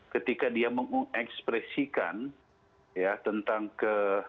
ketika dia mengekspresikan ya tentang ke